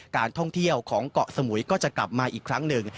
การท่องเที่ยวของเกาะสมุยก็จะกลับมาอีกครั้งหนึ่ง